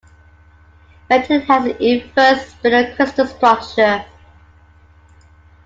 Magnetite has an inverse spinel crystal structure.